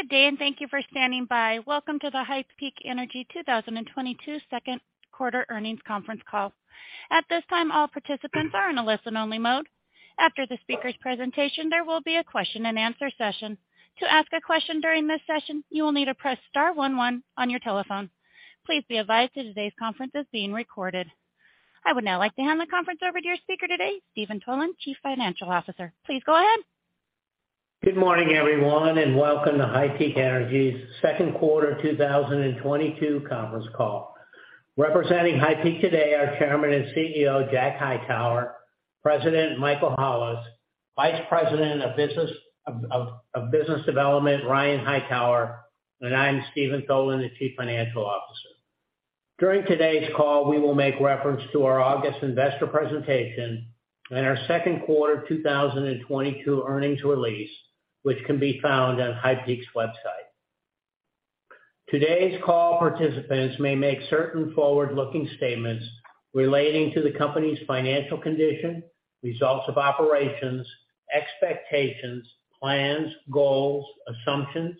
Good day and thank you for standing by. Welcome to the HighPeak Energy 2022 Q2 earnings conference call. At this time, all participants are in a listen-only mode. After the speaker's presentation, there will be a question-and-answer session. To ask a question during this session, you will need to press star one one on your telephone. Please be advised that today's conference is being recorded. I would now like to hand the conference over to your speaker today, Steven Tholen, Chief Financial Officer. Please go ahead. Good morning, everyone, and welcome to HighPeak Energy's Q2 2022 conference call. Representing HighPeak Energy today are Chairman and CEO Jack Hightower, President Michael Hollis, Vice President of Business Development Ryan Hightower, and I'm Steven Tholen, the Chief Financial Officer. During today's call, we will make reference to our August investor presentation and our Q2 2022 earnings release, which can be found on HighPeak Energy's website. Today's call participants may make certain forward-looking statements relating to the company's financial condition, results of operations, expectations, plans, goals, assumptions,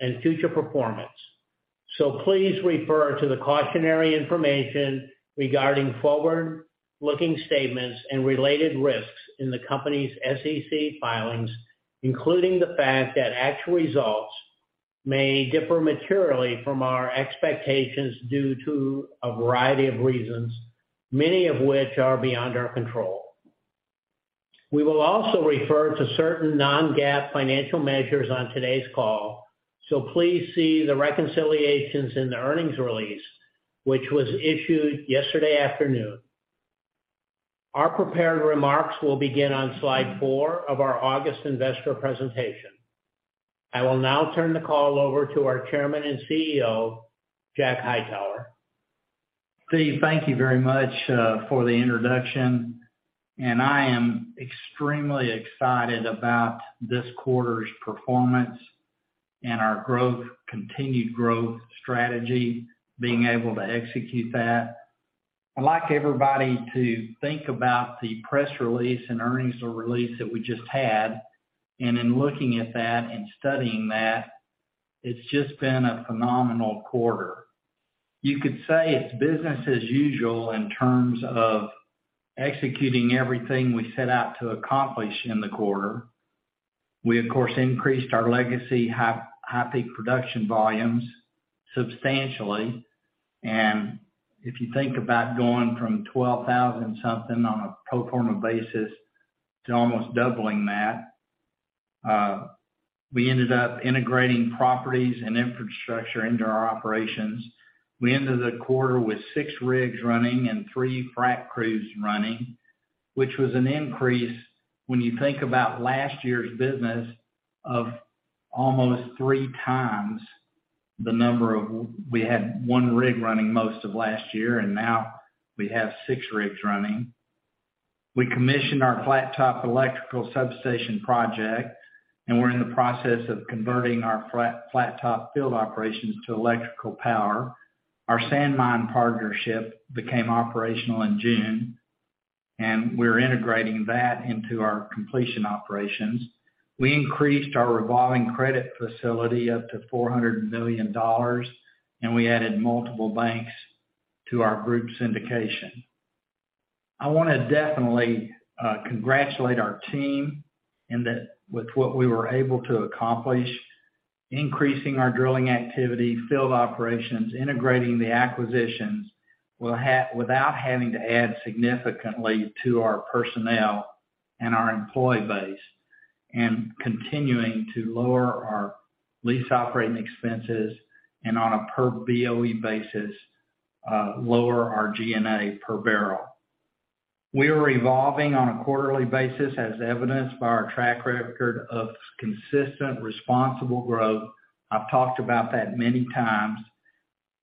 and future performance. Please refer to the cautionary information regarding forward-looking statements and related risks in the company's SEC filings, including the fact that actual results may differ materially from our expectations due to a variety of reasons, many of which are beyond our control. We will also refer to certain non-GAAP financial measures on today's call, so please see the reconciliations in the earnings release, which was issued yesterday afternoon. Our prepared remarks will begin on slide four of our August investor presentation. I will now turn the call over to our Chairman and CEO, Jack Hightower. Steve, thank you very much for the introduction, and I am extremely excited about this quarter's performance and our growth, continued growth strategy, being able to execute that. I'd like everybody to think about the press release and earnings release that we just had. In looking at that and studying that, it's just been a phenomenal quarter. You could say it's business as usual in terms of executing everything we set out to accomplish in the quarter. We, of course, increased our legacy HighPeak production volumes substantially. If you think about going from 12,000 something on a pro forma basis to almost doubling that, we ended up integrating properties and infrastructure into our operations. We ended the quarter with 6 rigs running and 3 frac crews running, which was an increase when you think about last year's business of almost 3 times the number of. We had 1 rig running most of last year, and now we have 6 rigs running. We commissioned our Flattop electrical substation project, and we're in the process of converting our Flat-Top field operations to electrical power. Our Sandmine partnership became operational in June, and we're integrating that into our completion operations. We increased our revolving credit facility up to $400 million, and we added multiple banks to our group syndication. I wanna definitely congratulate our team in that with what we were able to accomplish, increasing our drilling activity, field operations, integrating the acquisitions without having to add significantly to our personnel and our employee base, and continuing to lower our lease operating expenses and on a per BOE basis, lower our G&A per barrel. We are evolving on a quarterly basis, as evidenced by our track record of consistent, responsible growth. I've talked about that many times.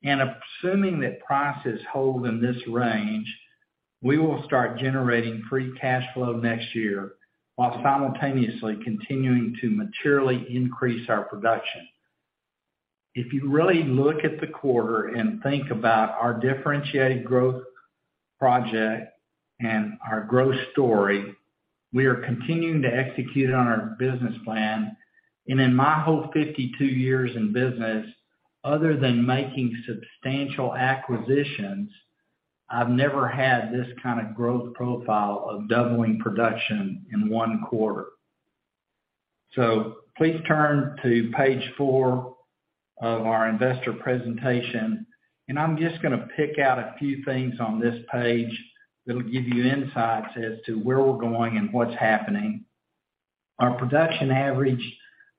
Assuming that prices hold in this range, we will start generating free cash flow next year while simultaneously continuing to materially increase our production. If you really look at the quarter and think about our differentiated growth project and our growth story, we are continuing to execute on our business plan. In my whole 52 years in business, other than making substantial acquisitions, I've never had this kind of growth profile of doubling production in 1 quarter. Please turn to page 4 of our investor presentation, and I'm just gonna pick out a few things on this page that'll give you insights as to where we're going and what's happening. Our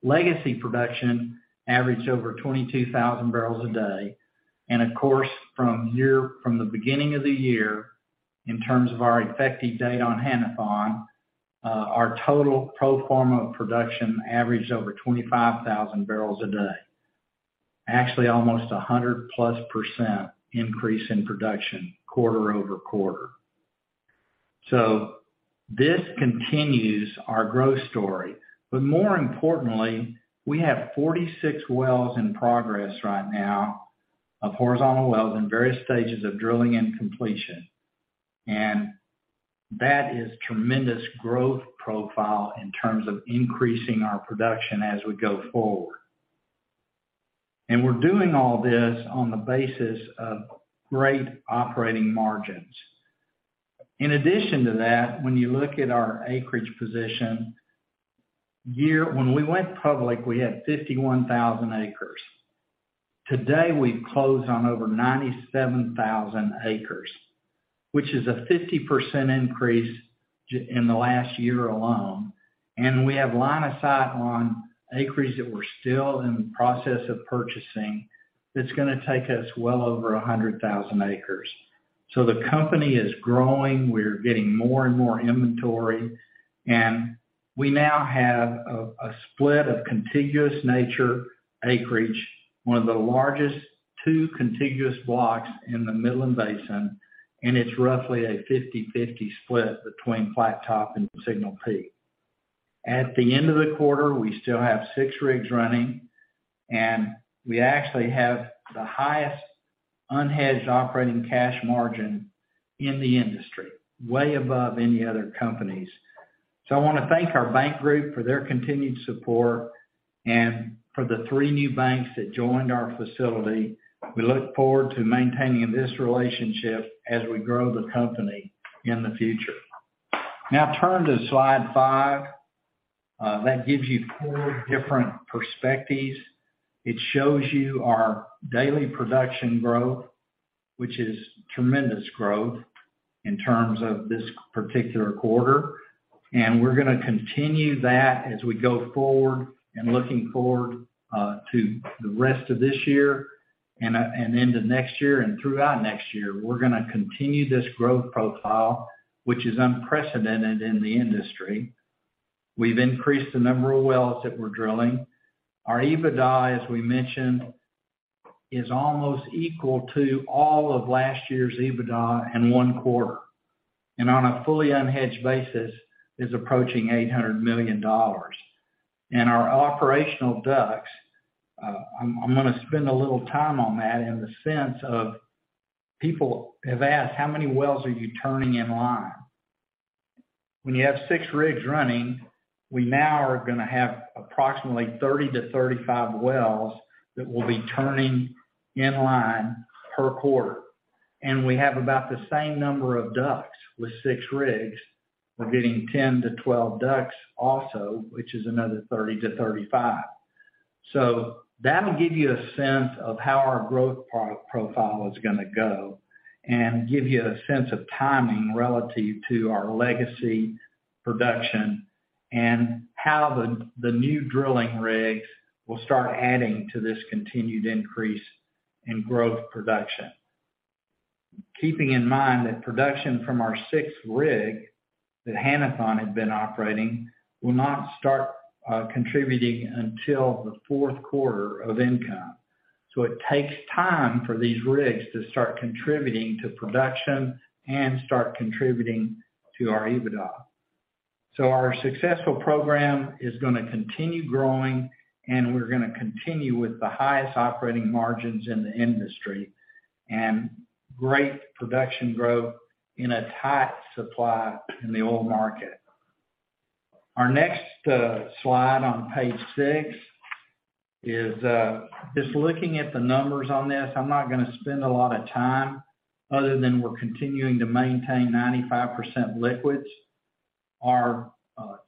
legacy production averaged over 22,000 barrels a day. Of course, from the beginning of the year, in terms of our effective date on Hannathon, our total pro forma production averaged over 25,000 barrels a day. Actually almost 100%+ increase in production quarter-over-quarter. This continues our growth story. More importantly, we have 46 wells in progress right now of horizontal wells in various stages of drilling and completion. That is tremendous growth profile in terms of increasing our production as we go forward. We're doing all this on the basis of great operating margins. In addition to that, when you look at our acreage position, when we went public, we had 51,000 acres. Today, we've closed on over 97,000 acres, which is a 50% increase in the last year alone, and we have line of sight on acreage that we're still in the process of purchasing that's gonna take us well over 100,000 acres. The company is growing, we're getting more and more inventory, and we now have a split of contiguous net acreage, one of the largest 2 contiguous blocks in the Midland Basin, and it's roughly a 50/50 split between Flattop and Signal Peak. At the end of the quarter, we still have 6 rigs running, and we actually have the highest unhedged operating cash margin in the industry, way above any other companies. I wanna thank our bank group for their continued support and for the 3 new banks that joined our facility. We look forward to maintaining this relationship as we grow the company in the future. Now turn to slide 5. That gives you 4 different perspectives. It shows you our daily production growth, which is tremendous growth in terms of this particular quarter. We're gonna continue that as we go forward and looking forward to the rest of this year and into next year and throughout next year. We're gonna continue this growth profile, which is unprecedented in the industry. We've increased the number of wells that we're drilling. Our EBITDA, as we mentioned, is almost equal to all of last year's EBITDA in 1 quarter. On a fully unhedged basis is approaching $800 million. Our operational DUCs, I'm gonna spend a little time on that in the sense of people have asked, "How many wells are you turning in line?" When you have 6 rigs running, we now are gonna have approximately 30 to 35 wells that we'll be turning in line per quarter. We have about the same number of DUCs with 6 rigs. We're getting 10 to 12 DUCs also, which is another 30 to 35. That'll give you a sense of how our growth profile is gonna go and give you a sense of timing relative to our legacy production and how the new drilling rigs will start adding to this continued increase in growth production. Keeping in mind that production from our sixth rig that Hannathon had been operating will not start contributing until the Q4 of 2023. It takes time for these rigs to start contributing to production and start contributing to our EBITDA. Our successful program is gonna continue growing, and we're gonna continue with the highest operating margins in the industry and great production growth in a tight supply in the oil market. Our next slide on page 6 is just looking at the numbers on this. I'm not gonna spend a lot of time other than we're continuing to maintain 95% liquids. Our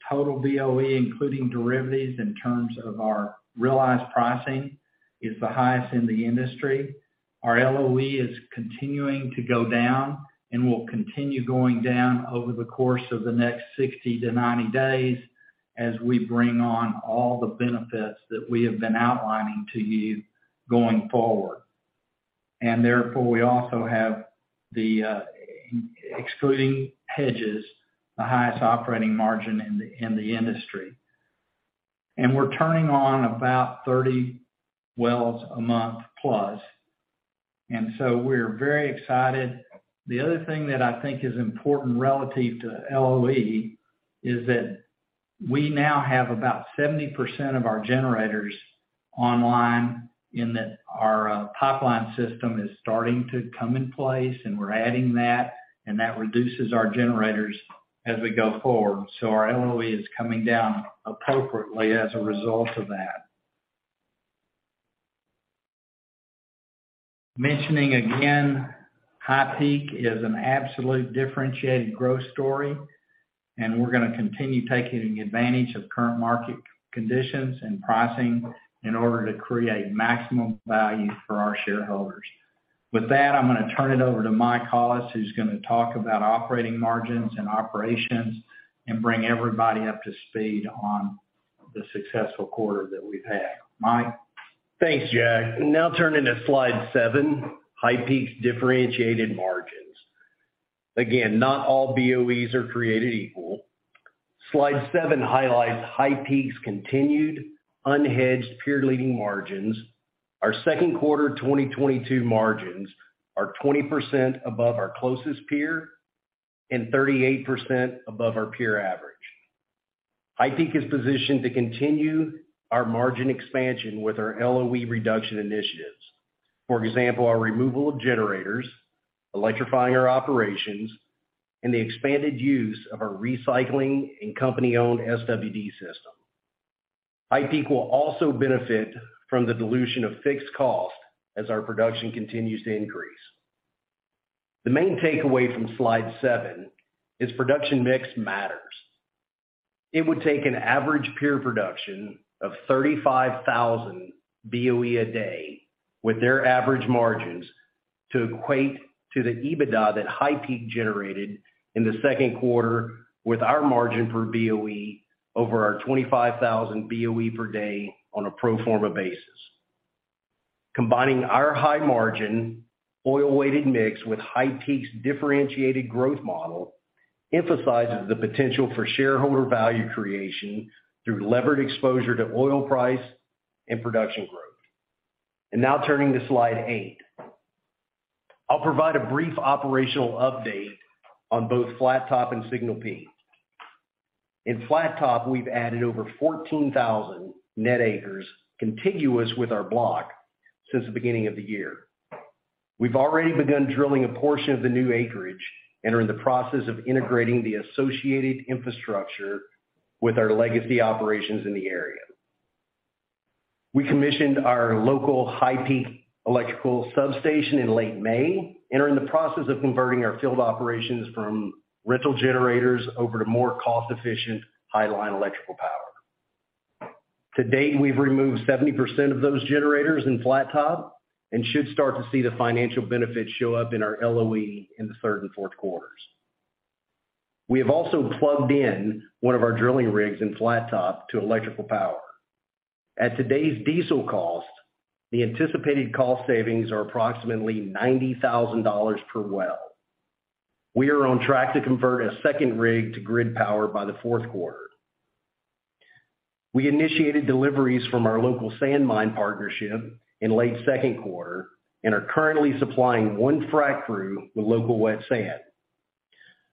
total BOE, including derivatives in terms of our realized pricing, is the highest in the industry. Our LOE is continuing to go down and will continue going down over the course of the next 60 to 90 days as we bring on all the benefits that we have been outlining to you going forward. Therefore, we also have the including hedges, the highest operating margin in the industry. We're turning on about 30 wells a month plus, and so we're very excited. The other thing that I think is important relative to LOE is that we now have about 70% of our generators online in that our pipeline system is starting to come in place, and we're adding that, and that reduces our generators as we go forward. Our LOE is coming down appropriately as a result of that. Mentioning again, HighPeak is an absolute differentiated growth story, and we're gonna continue taking advantage of current market conditions and pricing in order to create maximum value for our shareholders. With that, I'm gonna turn it over to Michael Hollis, who's gonna talk about operating margins and operations and bring everybody up to speed on the successful quarter that we've had. Michael? Thanks, Jack. Now turning to slide 7, HighPeak's differentiated margins. Again, not all BOEs are created equal. Slide 7 highlights HighPeak's continued unhedged peer-leading margins. Our Q2 2022 margins are 20% above our closest peer and 38% above our peer average. HighPeak is positioned to continue our margin expansion with our LOE reduction initiatives. For example, our removal of generators, electrifying our operations, and the expanded use of our recycling and company-owned SWD system. HighPeak will also benefit from the dilution of fixed cost as our production continues to increase. The main takeaway from slide 7 is production mix matters. It would take an average peer production of 35,000 BOE a day with their average margins to equate to the EBITDA that HighPeak generated in the Q2 with our margin per BOE over our 25,000 BOE per day on a pro forma basis. Combining our high margin oil-weighted mix with HighPeak's differentiated growth model emphasizes the potential for shareholder value creation through levered exposure to oil price and production growth. Now turning to slide 8. I'll provide a brief operational update on both Flattop and Signal Peak. In Flattop, we've added over 14,000 net acres contiguous with our block since the beginning of the year. We've already begun drilling a portion of the new acreage and are in the process of integrating the associated infrastructure with our legacy operations in the area. We commissioned our local HighPeak electrical substation in late May and are in the process of converting our field operations from rental generators over to more cost-efficient highline electrical power. To date, we've removed 70% of those generators in Flattop and should start to see the financial benefits show up in our LOE in the third and Q4s. We have also plugged in one of our drilling rigs in Flattop to electrical power. At today's diesel cost, the anticipated cost savings are approximately $90,000 per well. We are on track to convert a second rig to grid power by the Q4. We initiated deliveries from our local sand mine partnership in late Q2 and are currently supplying one frac crew with local wet sand.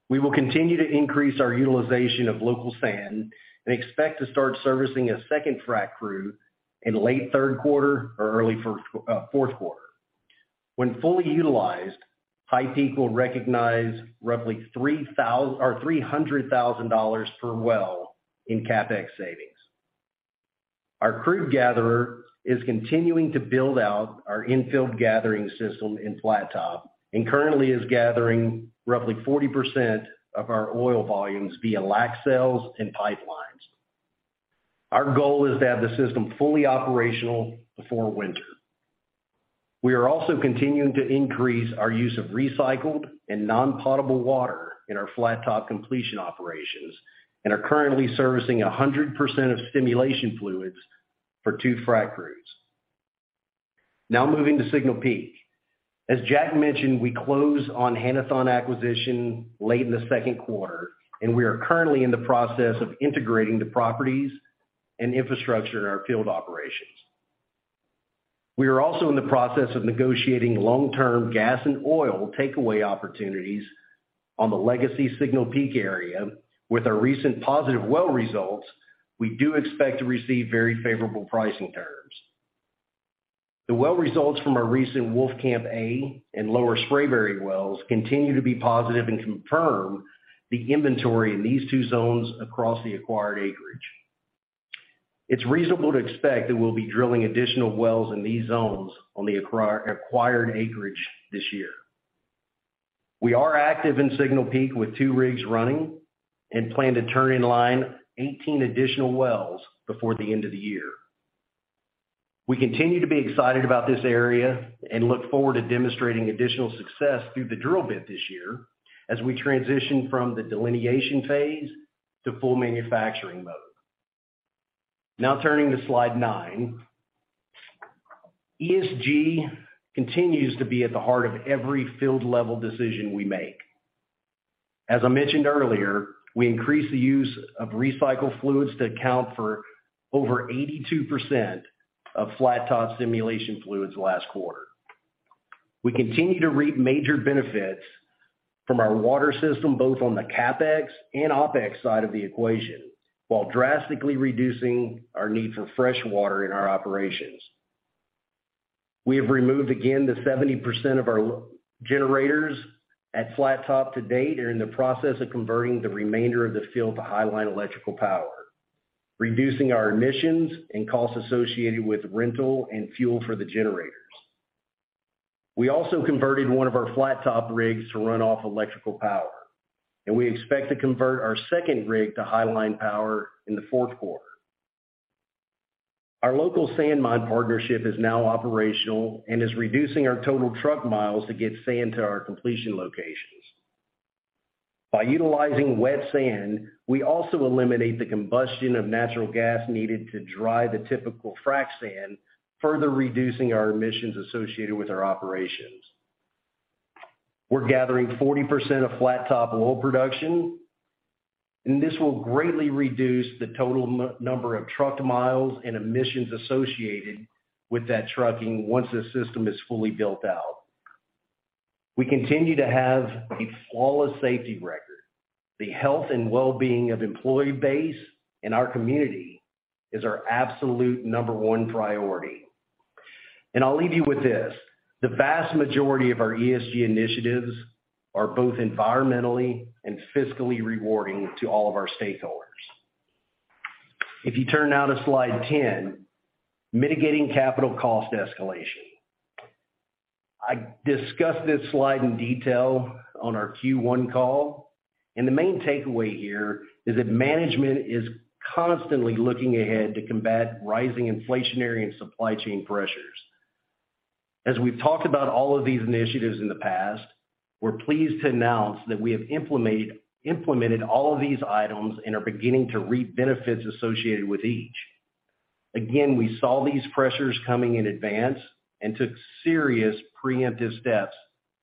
We will continue to increase our utilization of local sand and expect to start servicing a second frac crew in late Q3 or early Q4. When fully utilized, HighPeak Energy will recognize roughly $300,000 per well in CapEx savings. Our crude gatherer is continuing to build out our in-field gathering system in Flattop and currently is gathering roughly 40% of our oil volumes via LACT units and pipelines. Our goal is to have the system fully operational before winter. We are also continuing to increase our use of recycled and non-potable water in our Flattop completion operations and are currently servicing 100% of stimulation fluids for two frac crews. Now moving to Signal Peak. As Jack mentioned, we closed on Hannathon acquisition late in the Q2, and we are currently in the process of integrating the properties and infrastructure in our field operations. We are also in the process of negotiating long-term gas and oil takeaway opportunities on the legacy Signal Peak area. With our recent positive well results, we do expect to receive very favorable pricing terms. The well results from our recent Wolfcamp A and Lower Spraberry wells continue to be positive and confirm the inventory in these two zones across the acquired acreage. It's reasonable to expect that we'll be drilling additional wells in these zones on the acquired acreage this year. We are active in Signal Peak with two rigs running and plan to turn in line 18 additional wells before the end of the year. We continue to be excited about this area and look forward to demonstrating additional success through the drill bit this year as we transition from the delineation phase to full manufacturing mode. Now turning to slide 9. ESG continues to be at the heart of every field level decision we make. As I mentioned earlier, we increased the use of recycled fluids that account for over 82% of Flattop stimulation fluids last quarter. We continue to reap major benefits from our water system, both on the CapEx and OpEx side of the equation, while drastically reducing our need for fresh water in our operations. We have removed, again, 70% of our generators at Flattop to date and are in the process of converting the remainder of the field to highline electrical power, reducing our emissions and costs associated with rental and fuel for the generators. We also converted 1 of our Flattop rigs to run off electrical power, and we expect to convert our second rig to highline power in the Q4. Our local sand mine partnership is now operational and is reducing our total truck miles to get sand to our completion locations. By utilizing wet sand, we also eliminate the combustion of natural gas needed to dry the typical frac sand, further reducing our emissions associated with our operations. We're gathering 40% of Flattop oil production, and this will greatly reduce the total number of truck miles and emissions associated with that trucking once the system is fully built out. We continue to have a flawless safety record. The health and well-being of employee base and our community is our absolute number one priority. I'll leave you with this. The vast majority of our ESG initiatives are both environmentally and fiscally rewarding to all of our stakeholders. If you turn now to slide 10. Mitigating capital cost escalation. I discussed this slide in detail on our Q1 call, and the main takeaway here is that management is constantly looking ahead to combat rising inflationary and supply chain pressures. As we've talked about all of these initiatives in the past, we're pleased to announce that we have implemented all of these items and are beginning to reap benefits associated with each. Again, we saw these pressures coming in advance and took serious preemptive steps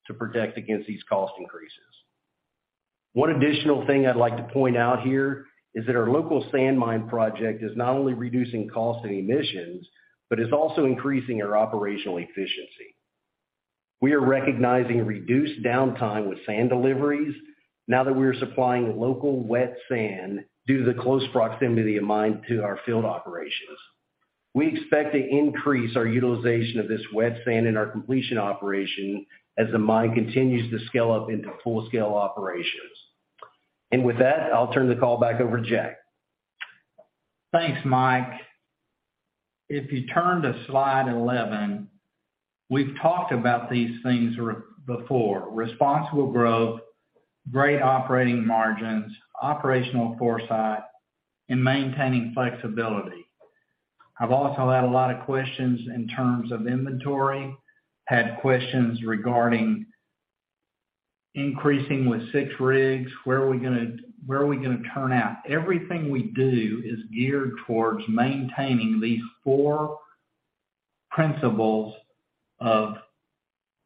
to protect against these cost increases. One additional thing I'd like to point out here is that our local sand mine project is not only reducing cost and emissions, but is also increasing our operational efficiency. We are recognizing reduced downtime with sand deliveries now that we are supplying local wet sand due to the close proximity of mine to our field operations. We expect to increase our utilization of this wet sand in our completion operation as the mine continues to scale up into full scale operations. With that, I'll turn the call back over to Jack. Thanks, Mike. If you turn to slide 11, we've talked about these things before. Responsible growth, great operating margins, operational foresight, and maintaining flexibility. I've also had a lot of questions in terms of inventory, had questions regarding increasing with 6 rigs. Where are we gonna turn out? Everything we do is geared towards maintaining these four principles of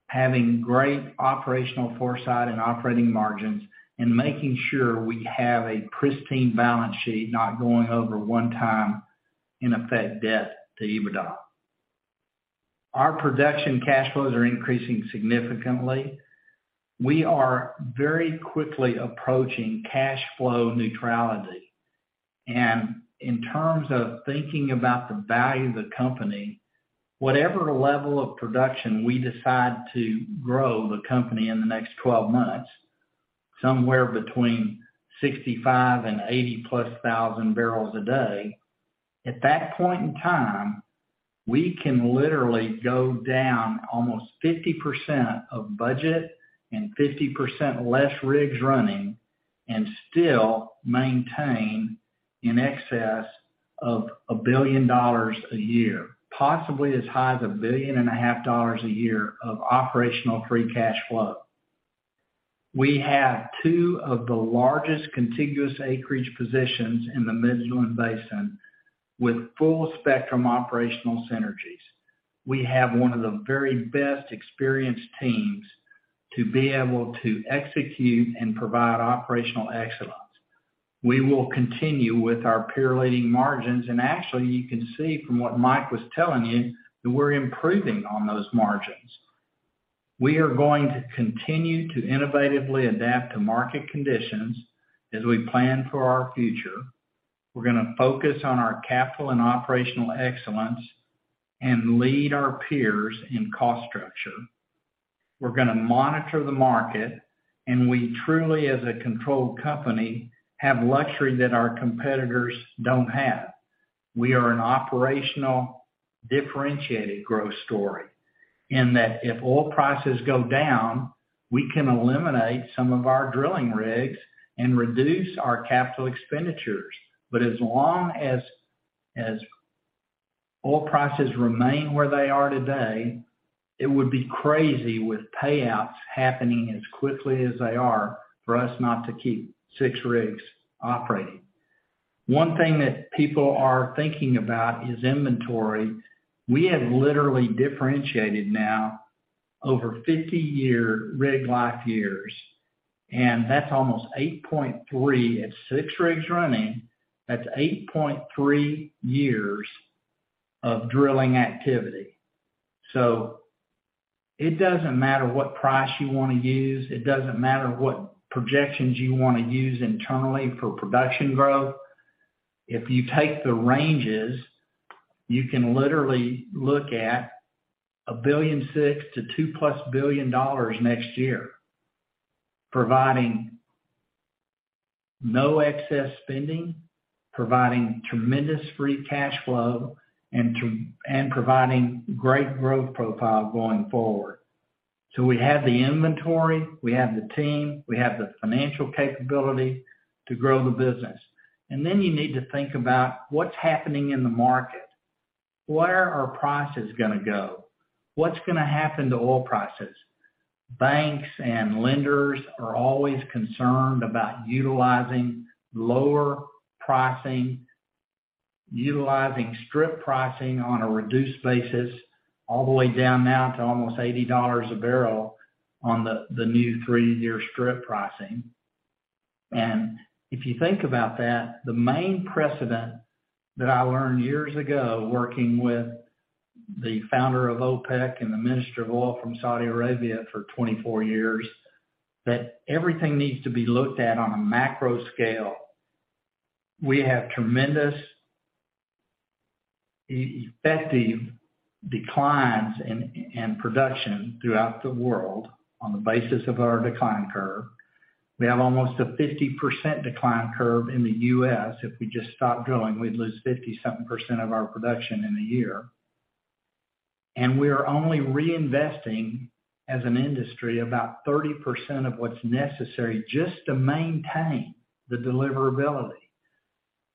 having great operational foresight and operating margins and making sure we have a pristine balance sheet not going over 1x net debt to EBITDA. Our production cash flows are increasing significantly. We are very quickly approaching cash flow neutrality. In terms of thinking about the value of the company, whatever level of production we decide to grow the company in the next 12 months, somewhere between 65 and 80+ thousand barrels a day, at that point in time, we can literally go down almost 50% of budget and 50% less rigs running and still maintain in excess of $1 billion a year, possibly as high as $1.5 billion a year of operational free cash flow. We have two of the largest contiguous acreage positions in the Midland Basin with full spectrum operational synergies. We have one of the very best experienced teams to be able to execute and provide operational excellence. We will continue with our peer-leading margins, and actually, you can see from what Mike was telling you that we're improving on those margins. We are going to continue to innovatively adapt to market conditions as we plan for our future. We're gonna focus on our capital and operational excellence and lead our peers in cost structure. We're gonna monitor the market, and we truly, as a controlled company, have luxury that our competitors don't have. We are an operational differentiated growth story in that if oil prices go down, we can eliminate some of our drilling rigs and reduce our capital expenditures. As long as oil prices remain where they are today, it would be crazy with payouts happening as quickly as they are for us not to keep six rigs operating. One thing that people are thinking about is inventory. We have literally differentiated now over 50 rig life years, and that's almost 8.3. At six rigs running, that's 8.3 years of drilling activity. It doesn't matter what price you wanna use. It doesn't matter what projections you wanna use internally for production growth. If you take the ranges, you can literally look at $1.6 to 2+ billion next year, providing no excess spending, providing tremendous free cash flow, and providing great growth profile going forward. We have the inventory, we have the team, we have the financial capability to grow the business. You need to think about what's happening in the market. Where are prices gonna go? What's gonna happen to oil prices? Banks and lenders are always concerned about utilizing lower pricing, utilizing strip pricing on a reduced basis, all the way down now to almost $80 a barrel on the new 3-year strip pricing. If you think about that, the main precedent that I learned years ago working with the founder of OPEC and the Minister of Oil from Saudi Arabia for 24 years, that everything needs to be looked at on a macro scale. We have tremendous effective declines in production throughout the world on the basis of our decline curve. We have almost a 50% decline curve in the US. If we just stop drilling, we'd lose 50-something percent of our production in a year. We are only reinvesting, as an industry, about 30% of what's necessary just to maintain the deliverability.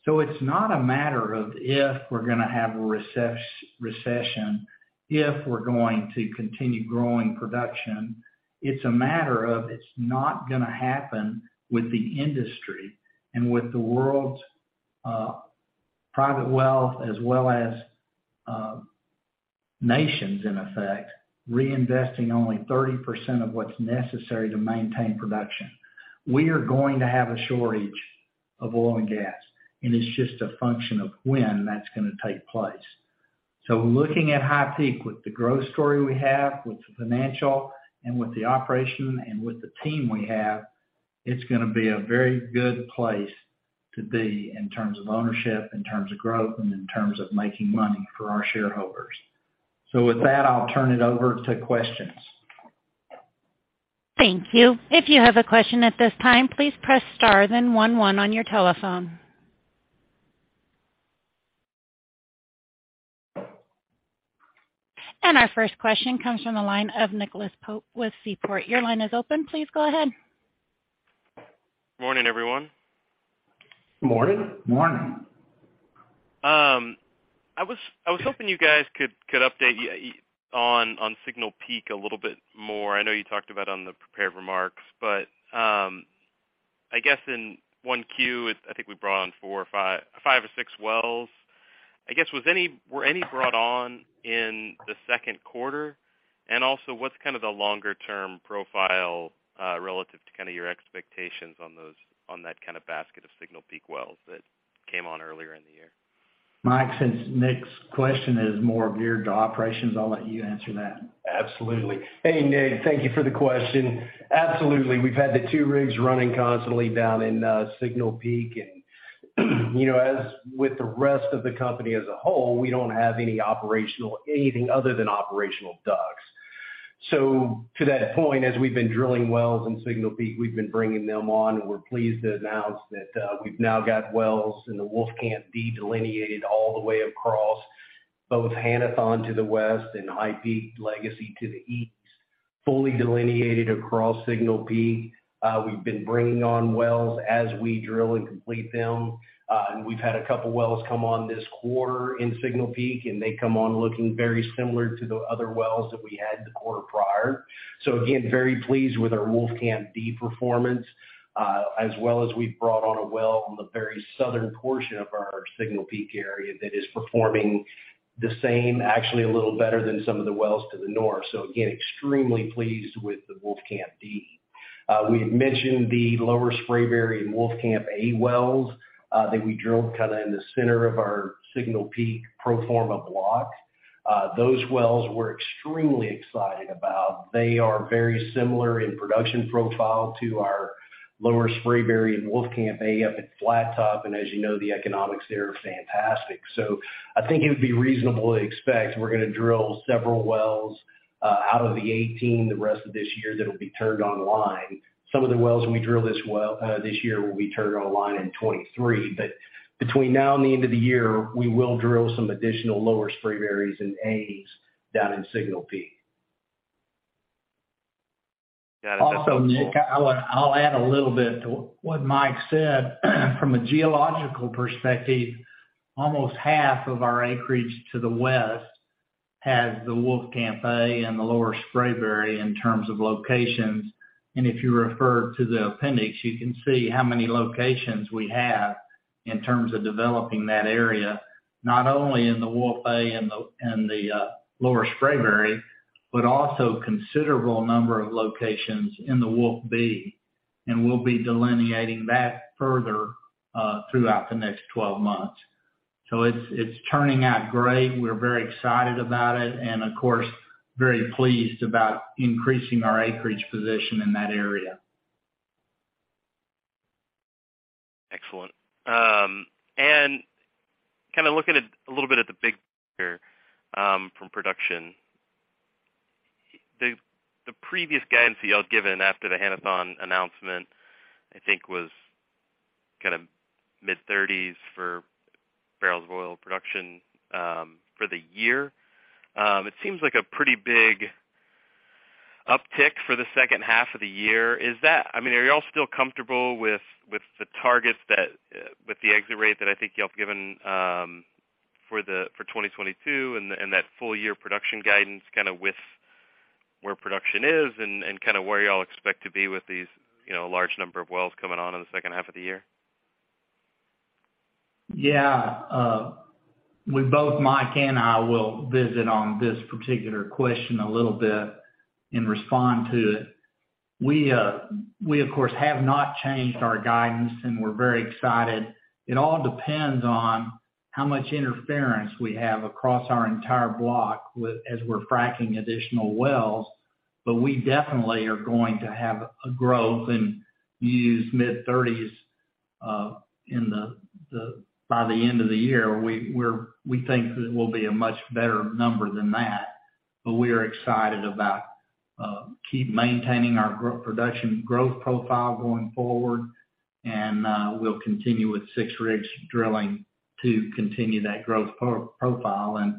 It's not a matter of if we're gonna have a recession, if we're going to continue growing production. It's a matter of it's not gonna happen with the industry and with the world's private wealth as well as nations, in effect, reinvesting only 30% of what's necessary to maintain production. We are going to have a shortage of oil and gas, and it's just a function of when that's gonna take place. Looking at HighPeak with the growth story we have, with the financial, and with the operation, and with the team we have, it's gonna be a very good place to be in terms of ownership, in terms of growth, and in terms of making money for our shareholders. With that, I'll turn it over to questions. Thank you. If you have a question at this time, please press star then one one on your telephone. Our first question comes from the line of Nicholas Pope with Seaport. Your line is open. Please go ahead. Morning, everyone. Morning. Morning. I was hoping you guys could update on Signal Peak a little bit more. I know you talked about in the prepared remarks. I guess in 1Q, I think we brought on 5 or 6 wells. I guess, were any brought on in the Q2? And also, what's kind of the longer-term profile relative to kind your expectations on that kind of basket of Signal Peak wells that came on earlier in the year? Mike, since Nick's question is more geared to operations, I'll let you answer that. Absolutely. Hey, Nick, thank you for the question. Absolutely. We've had the two rigs running constantly down in Signal Peak. You know, as with the rest of the company as a whole, we don't have anything other than operational DUCs. To that point, as we've been drilling wells in Signal Peak, we've been bringing them on, and we're pleased to announce that we've now got wells in the Wolfcamp D delineated all the way across both Hannathon to the west and HighPeak Legacy to the east, fully delineated across Signal Peak. We've been bringing on wells as we drill and complete them. We've had a couple wells come on this quarter in Signal Peak, and they come on looking very similar to the other wells that we had the quarter prior. Again, very pleased with our Wolfcamp D performance, as well as we've brought on a well on the very southern portion of our Signal Peak area that is performing the same, actually a little better than some of the wells to the north. Again, extremely pleased with the Wolfcamp D. We've mentioned the Lower Spraberry and Wolfcamp A wells, that we drilled kind a in the center of our Signal Peak pro forma block. Those wells we're extremely excited about. They are very similar in production profile to our Lower Spraberry and Wolfcamp A up at Flattop. As you know, the economics there are fantastic. I think it would be reasonable to expect we're gonna drill several wells, out of the 18 the rest of this year that'll be turned online. Some of the wells we drill this year will be turned online in 2023. Between now and the end of the year, we will drill some additional Lower Spraberrys and as down in Signal Peak. Got it. That's helpful. Also, Nick, I'll add a little bit to what Mike said. From a geological perspective, almost half of our acreage to the west has the Wolfcamp A and the Lower Spraberry in terms of locations. If you refer to the appendix, you can see how many locations we have in terms of developing that area, not only in the Wolfcamp A and the Lower Spraberry, but also considerable number of locations in the Wolfcamp B, and we'll be delineating that further throughout the next 12 months. It's turning out great. We're very excited about it and, of course, very pleased about increasing our acreage position in that area. Excellent. Kinda looking at a little bit at the big picture from production. The previous guidance y'all given after the Hannathon announcement, I think was kind a mid-30s for barrels of oil production for the year. It seems like a pretty big uptick for the H2 of the year. Is that I mean, are you all still comfortable with the targets that with the exit rate that I think y'all have given for 2022 and that full-year production guidance kind a with where production is and kind a where y'all expect to be with these you know large number of wells coming on in the H2 of the year? Yeah. We both, Mike and I, will visit on this particular question a little bit and respond to it. We of course have not changed our guidance, and we're very excited. It all depends on how much interference we have across our entire block with as we're fracking additional wells. We definitely are going to have a growth, and you use mid-thirties in by the end of the year. We're we think that we'll be a much better number than that. We are excited about keep maintaining our growth production growth profile going forward. We'll continue with 6 rigs drilling to continue that growth profile.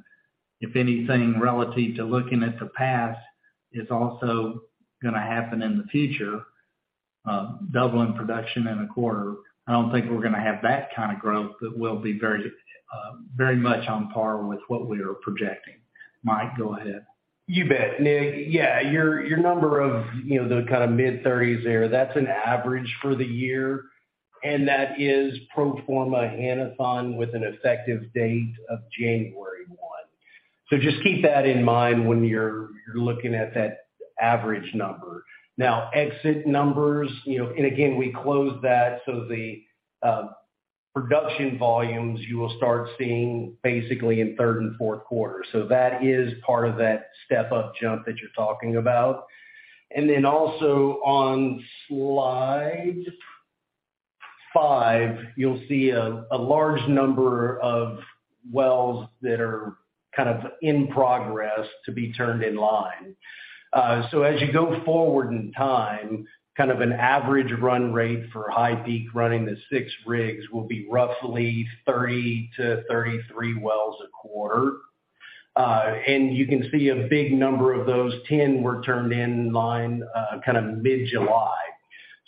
If anything, relative to looking at the past is also gonna happen in the future, doubling production in a quarter, I don't think we're gonna have that kind of growth, but we'll be very, very much on par with what we are projecting. Mike, go ahead. You bet, Nick. Yeah, your number of, you know, the kind of mid-30s there, that's an average for the year, and that is pro forma Hannathon with an effective date of January 1. Just keep that in mind when you're looking at that average number. Now, exit numbers, you know. Again, we closed that, so the production volumes you will start seeing basically in third and Q4. That is part of that step-up jump that you're talking about. Then also on slide 5, you'll see a large number of wells that are kind of in progress to be turned in line. As you go forward in time, kind of an average run rate for HighPeak running the 6 rigs will be roughly 30 to 33 wells a quarter. You can see a big number of those 10 were turned in line, kind of mid-July.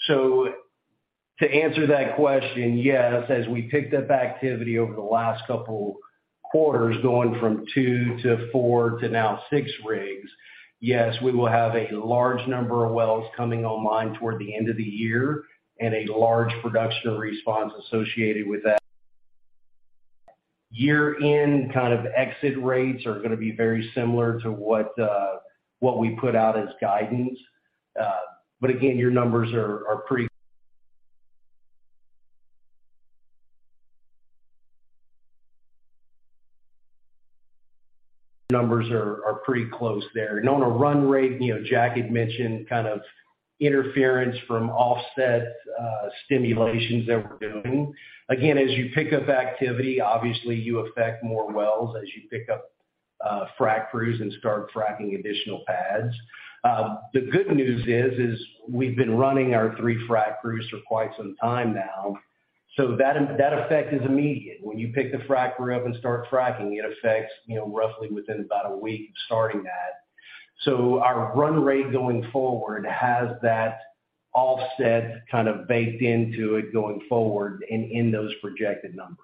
To answer that question, yes, as we picked up activity over the last couple quarters, going from 2 to 4 to now 6 rigs, yes, we will have a large number of wells coming online toward the end of the year and a large production response associated with that. Year-end kind of exit rates are gonna be very similar to what we put out as guidance. Again, your numbers are pretty close there. On a run rate, you know, Jack had mentioned kind of interference from offset stimulations that we're doing. Again, as you pick up activity, obviously you affect more wells as you pick up frac crews and start fracking additional pads. The good news is we've been running our three frac crews for quite some time now, so that effect is immediate. When you pick the fracker up and start fracking, it affects, you know, roughly within about a week of starting that. Our run rate going forward has that offset kind of baked into it going forward and in those projected numbers.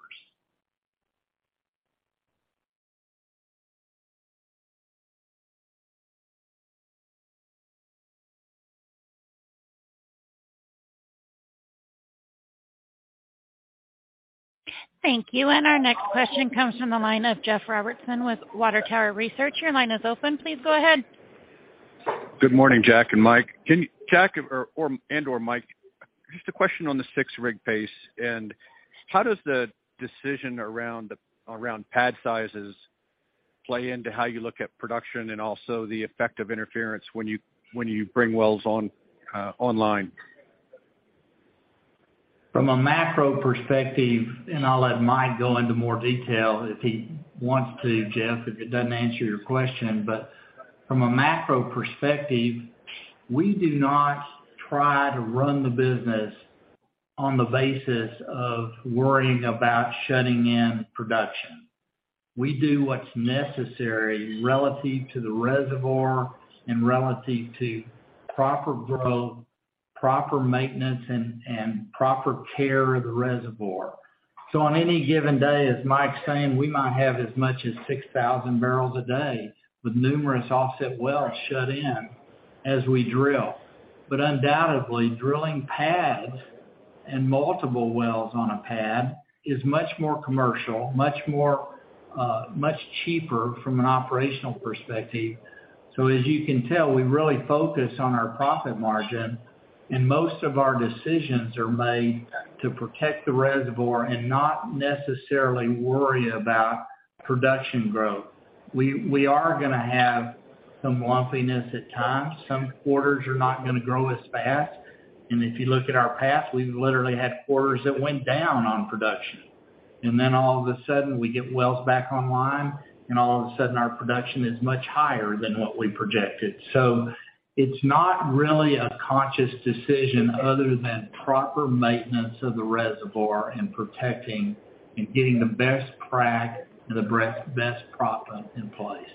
Thank you. Our next question comes from the line of Jeff Robertson with Water Tower Research. Your line is open. Please go ahead. Good morning, Jack and Mike. Can you, Jack or and/or Mike, just a question on the 6-rig pace. How does the decision around pad sizes play into how you look at production and also the effect of interference when you bring wells online? From a macro perspective, and I'll let Mike go into more detail if he wants to, Jeff, if it doesn't answer your question. From a macro perspective, we do not try to run the business on the basis of worrying about shutting in production. We do what's necessary relative to the reservoir and relative to proper growth, proper maintenance and proper care of the reservoir. On any given day, as Mike's saying, we might have as much as 6,000 barrels a day with numerous offset wells shut in as we drill. Undoubtedly, drilling pads and multiple wells on a pad is much more commercial, much more, much cheaper from an operational perspective. As you can tell, we really focus on our profit margin, and most of our decisions are made to protect the reservoir and not necessarily worry about production growth. We are gonna have some lumpiness at times. Some quarters are not gonna grow as fast. If you look at our past, we've literally had quarters that went down on production. Then all of a sudden, we get wells back online, and all of a sudden, our production is much higher than what we projected. It's not really a conscious decision other than proper maintenance of the reservoir and protecting and getting the best frac and the best proppant in place.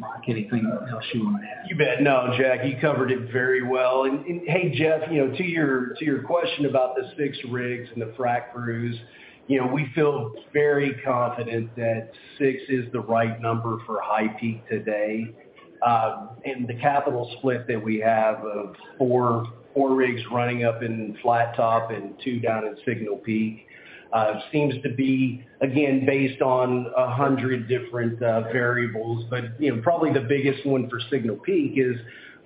Mike, anything else you wanna add? You bet. No, Jack, you covered it very well. Hey, Jeff, you know, to your question about the 6 rigs and the frac crews, you know, we feel very confident that 6 is the right number for HighPeak today. The capital split that we have of 4 rigs running up in Flat Top and 2 down in Signal Peak seems to be, again, based on 100 different variables. You know, probably the biggest one for Signal Peak is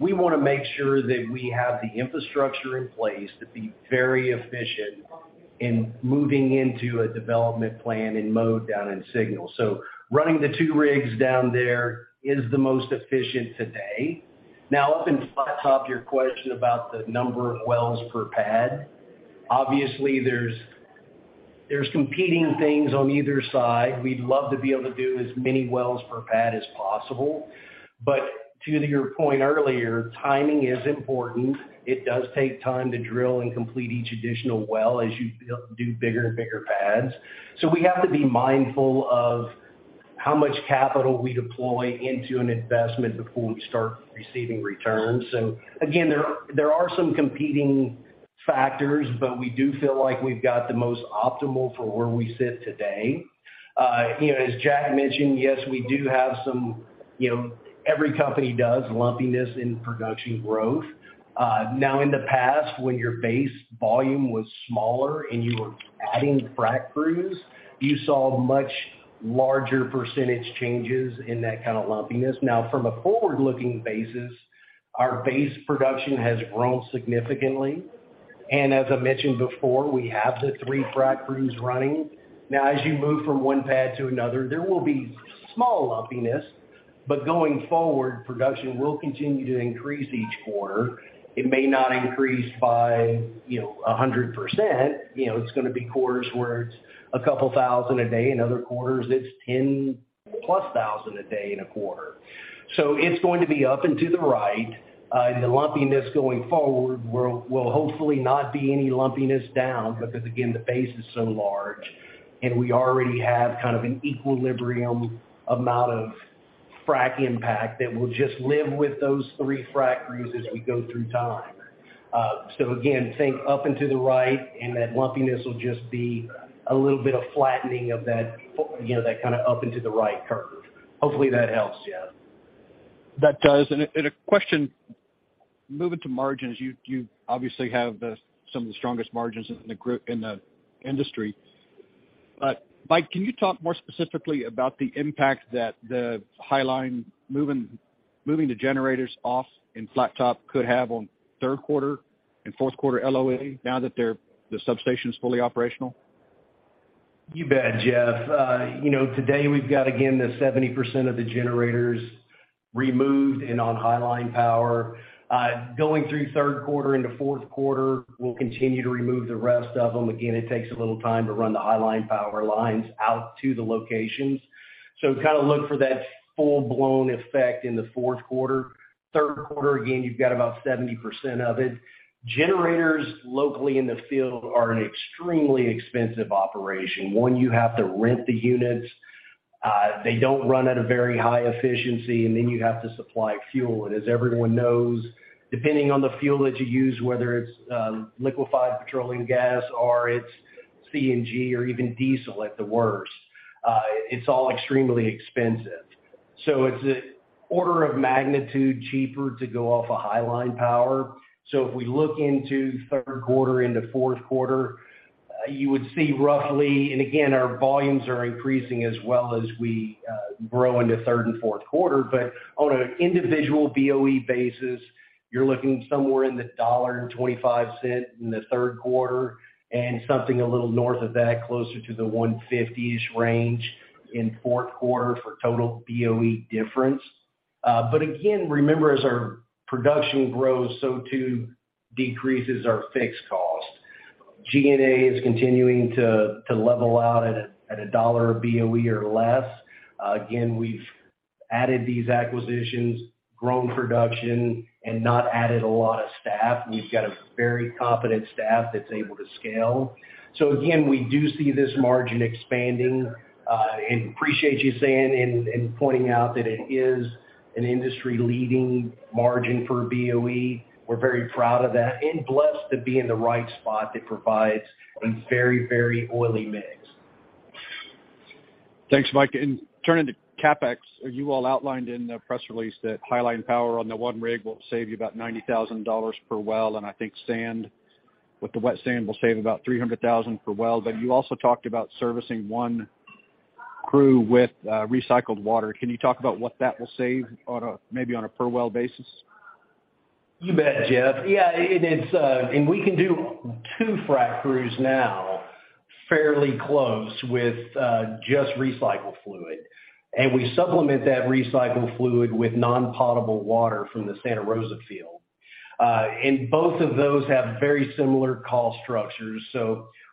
we want to make sure that we have the infrastructure in place to be very efficient and moving into a development plan and mode down in Signal. Running the 2 rigs down there is the most efficient today. Now up in Flat Top, your question about the number of wells per pad, obviously, there's competing things on either side. We'd love to be able to do as many wells per pad as possible. To your point earlier, timing is important. It does take time to drill and complete each additional well as you do bigger and bigger pads. We have to be mindful of how much capital we deploy into an investment before we start receiving returns. Again, there are some competing factors, but we do feel like we've got the most optimal for where we sit today. You know, as Jack mentioned, yes, we do have some, you know, every company does lumpiness in production growth. Now, in the past, when your base volume was smaller and you were adding frac crews, you saw much larger percentage changes in that kind of lumpiness. Now, from a forward-looking basis, our base production has grown significantly. As I mentioned before, we have the 3 frac crews running. Now, as you move from one pad to another, there will be small lumpiness, but going forward, production will continue to increase each quarter. It may not increase by, you know, 100%. You know, it's gonna be quarters where it's a couple thousand a day. In other quarters, it's 10+ thousand a day in a quarter. It's going to be up and to the right. The lumpiness going forward will hopefully not be any lumpiness down because, again, the base is so large, and we already have kind of an equilibrium amount of frac impact that we'll just live with those 3 frac crews as we go through time. Again, think up and to the right, and that lumpiness will just be a little bit of flattening of that, you know, that kind of up into the right curve. Hopefully, that helps, Jeff. That does. A question, moving to margins, you obviously have some of the strongest margins in the group in the industry. Mike, can you talk more specifically about the impact that the highline moving the generators off in Flat Top could have on Q3 and Q4 LOE now that they're the substation's fully operational? You bet, Jeff. You know, today we've got, again, the 70% of the generators removed and on highline power. Going through Q3 into Q4, we'll continue to remove the rest of them. Again, it takes a little time to run the highline power lines out to the locations. So, kind of look for that full-blown effect in the Q4. Q3, again, you've got about 70% of it. Generators locally in the field are an extremely expensive operation. One, you have to rent the units. They don't run at a very high efficiency, and then you have to supply fuel. As everyone knows, depending on the fuel that you use, whether it's liquefied petroleum gas or it's CNG or even diesel at the worst, it's all extremely expensive. It's an order of magnitude cheaper to go off of highline power. If we look into Q3 into Q4, you would see roughly. Our volumes are increasing as well as we grow into third and Q4. On an individual BOE basis, you're looking somewhere in the $1.25 in the Q3 and something a little north of that, closer to the $1.50s range in Q4 for total BOE difference. Remember, as our production grows, so too decreases our fixed cost. G&A is continuing to level out at a $1 a BOE or less. We've added these acquisitions, grown production, and not added a lot of staff. We've got a very competent staff that's able to scale. Again, we do see this margin expanding, and appreciate you saying and pointing out that it is an industry-leading margin for BOE. We're very proud of that and blessed to be in the right spot that provides a very, very oily mix. Thanks, Mike. Turning to CapEx, you all outlined in the press release that highline power on the one rig will save you about $90,000 per well, and I think sand, with the wet sand, will save about $300,000 per well. You also talked about servicing one crew with recycled water. Can you talk about what that will save on a, maybe on a per well basis? You bet, Jeff. Yeah, it's. We can do two frac crews now fairly close with just recycled fluid. We supplement that recycled fluid with non-potable water from the Santa Rosa field. Both of those have very similar cost structures.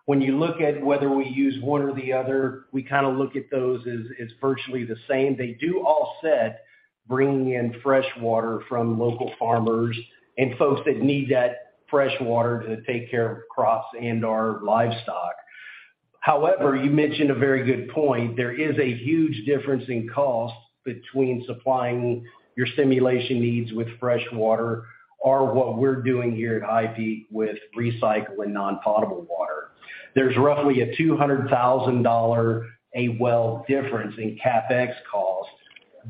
When you look at whether we use one or the other, we kind a look at those as virtually the same. They do offset bringing in fresh water from local farmers and folks that need that fresh water to take care of crops and/or livestock. However, you mentioned a very good point. There is a huge difference in cost between supplying your stimulation needs with fresh water or what we're doing here at HighPeak with recycled and non-potable water. There's roughly a $200,000 a well difference in CapEx cost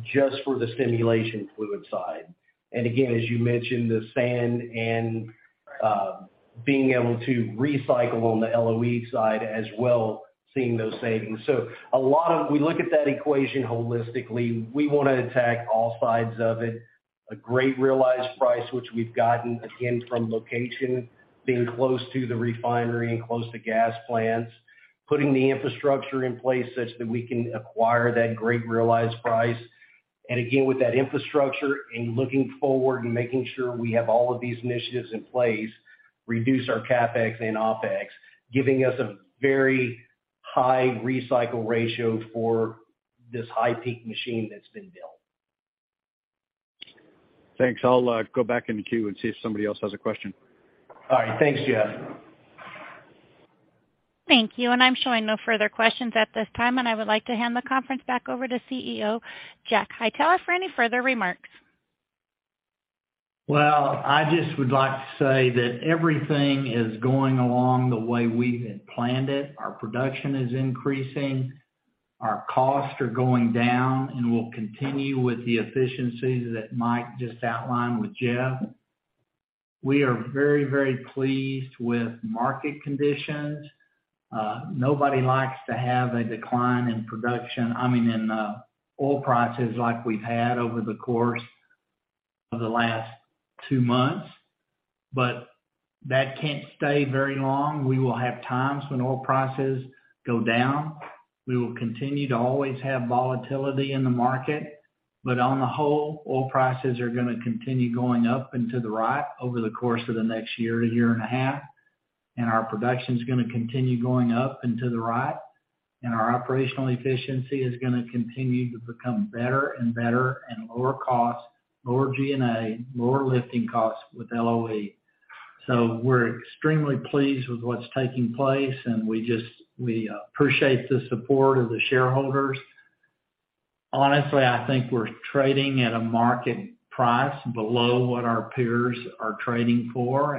just for the stimulation fluid side. Again, as you mentioned, the sand and being able to recycle on the LOE side as well, seeing those savings. We look at that equation holistically. We wanna attack all sides of it. A great realized price which we've gotten, again, from location, being close to the refinery and close to gas plants, putting the infrastructure in place such that we can acquire that great realized price. Again, with that infrastructure and looking forward and making sure we have all of these initiatives in place, reduce our CapEx and OpEx, giving us a very high recycle ratio for this HighPeak machine that's been built. Thanks. I'll go back in the queue and see if somebody else has a question. All right. Thanks, Jeff. Thank you. I'm showing no further questions at this time, and I would like to hand the conference back over to CEO Jack Hightower for any further remarks. Well, I just would like to say that everything is going along the way we had planned it. Our production is increasing, our costs are going down, and we'll continue with the efficiencies that Mike just outlined with Jeff. We are very, very pleased with market conditions. Nobody likes to have a decline in production, I mean, in oil prices like we've had over the course of the last two months, but that can't stay very long. We will have times when oil prices go down. We will continue to always have volatility in the market. On the whole, oil prices are gonna continue going up and to the right over the course of the next year to year and a half, and our production's gonna continue going up and to the right, and our operational efficiency is gonna continue to become better and better and lower cost, lower G&A, lower lifting costs with LOE. We're extremely pleased with what's taking place, and we appreciate the support of the shareholders. Honestly, I think we're trading at a market price below what our peers are trading for.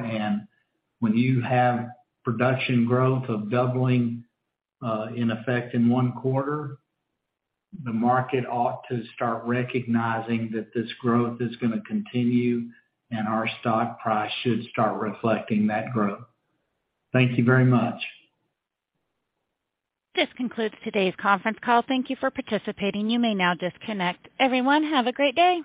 When you have production growth of doubling in effect in one quarter, the market ought to start recognizing that this growth is gonna continue, and our stock price should start reflecting that growth. Thank you very much. This concludes today's conference call. Thank you for participating. You may now disconnect. Everyone, have a great day.